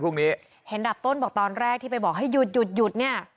เห็นดับต้นบอกตอนแรกที่ไปบอกให้หยุดหยุดหยุดเนี่ย